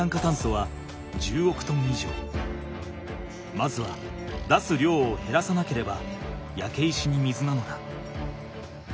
まずは出す量を減らさなければやけ石に水なのだ。